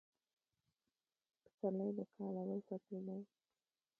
فسرلي د کال اول فصل دي